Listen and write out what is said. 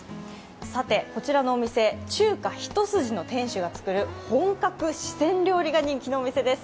さて、こちらのお店、中華一筋の店主が作る本格四川料理が人気のお店です。